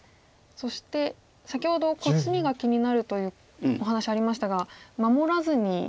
そして先ほどコスミが気になるというお話ありましたが守らずにハサみましたね。